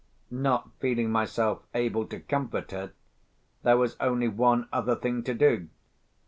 Not feeling myself able to comfort her, there was only one other thing to do.